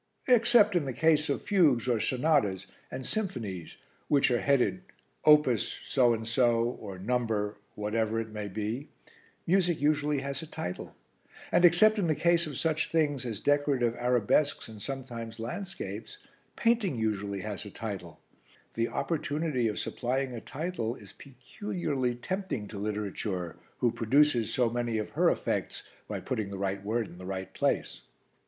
Except in the case of fugues or sonatas and symphonies, which are headed 'Op. ' so and so, or 'No. ' whatever it may be, music usually has a title. And except in the case of such things as decorative arabesques and sometimes landscapes, painting usually has a title. The opportunity of supplying a title is peculiarly tempting to literature who produces so many of her effects by putting the right word in the right place."